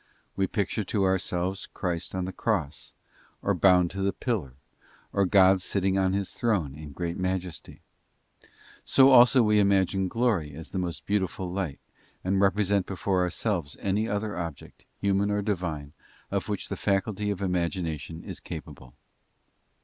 We picture to ourselves Christ on the cross, or bound to the pillar, or God sitting on His Throne in great majesty. So also we imagine glory as a most beautiful light, and represent before ourselves any other object, human or Divine, of which the faculty of imagination is capable.